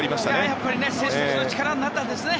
やっぱり選手たちの力になったんですね。